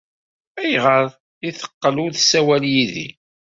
Ayɣer ay teqqel ur tessawal yid-i?